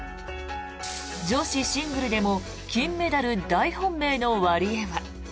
女子シングルでも金メダル大本命のワリエワ。